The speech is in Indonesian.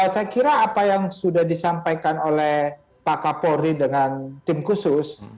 saya kira apa yang sudah disampaikan oleh pak kapolri dengan tim khusus